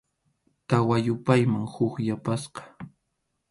Tawa yupayman huk yapasqa.